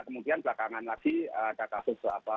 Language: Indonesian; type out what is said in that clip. kemudian belakangan lagi ada kasus